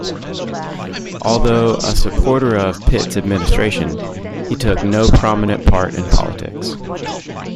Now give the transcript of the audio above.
Although a supporter of Pitt's administration, he took no prominent part in politics.